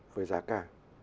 với giá cả